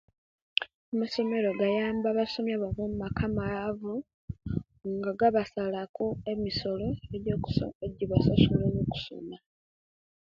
Amasomero gayamba abasomi abava mumaka amaavu nga gabasalaku emisolo ejo kusoma ejebasasula mukusoma